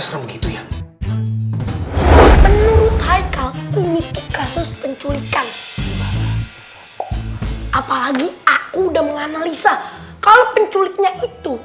serem gitu ya menurut haikal ini kasus penculikan apalagi aku udah menganalisa kalau penculiknya itu